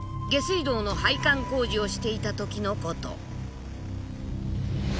下水道の配管工事をしていた時のこと。